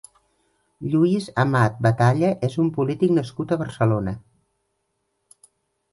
Lluís Amat Batalla és un polític nascut a Barcelona.